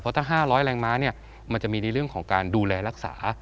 ถ้า๕๐๐แรงม้ามันจะมีในเรื่องของการดูแลรักษา